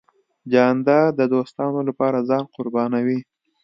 جانداد د دوستانو له پاره ځان قربانوي .